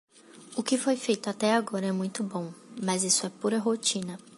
O que foi feito até agora é muito bom, mas isso é pura rotina.